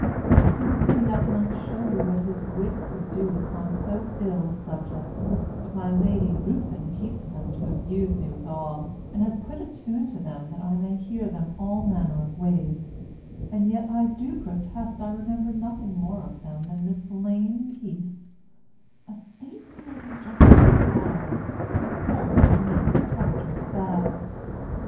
'Tis pity I cannot show you what his wit could do upon so ill a subject, but my Lady Ruthin keeps them to abuse me withal, and has put a tune to them that I may hear them all manner of ways; and yet I do protest I remember nothing more of them than this lame piece, A stately and majestic brow, Of force to make Protectors bow.